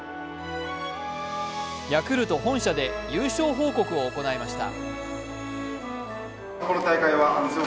ヤクルト本社で優勝報告を行いました。